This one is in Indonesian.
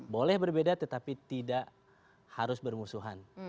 boleh berbeda tetapi tidak harus bermusuhan